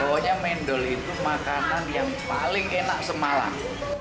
pokoknya mendol itu makanan yang paling enak semalam